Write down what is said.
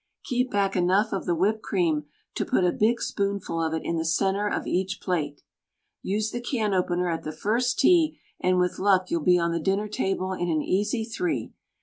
Keep back enough of the whipped cream to put a big spoonful of it in the center of each plate. Use the can opener at the first tee and with luck you'll be on the dinner table in an easy three.